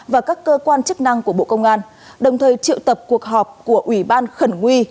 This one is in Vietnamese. và các cơ quan chức năng của bộ công an đồng thời triệu tập cuộc họp của ủy ban khẩn nguy